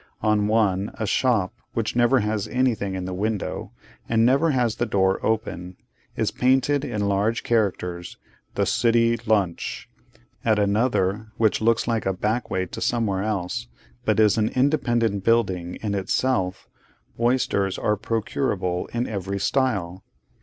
On one—a shop, which never has anything in the window, and never has the door open—is painted in large characters, 'THE CITY LUNCH.' At another, which looks like a backway to somewhere else, but is an independent building in itself, oysters are procurable in every style.